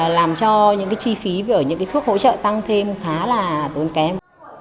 làm cho những chi phí ở những thuốc hỗ trợ tăng thêm khá là tốn kém